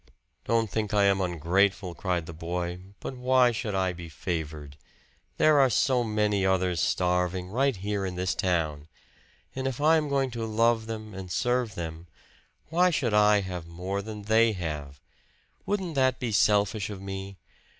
"Don't think I am ungrateful," cried the boy "but why should I be favored? There are so many others starving, right here in this town. And if I am going to love them and serve them, why should I have more than they have? Wouldn't that be selfish of me?